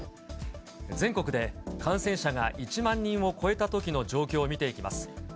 全国で感染者が１万人を超えたときの状況を見ていきます。